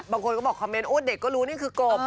บางคนก็บอกคอมเมนต์เด็กก็รู้นี่คือกบ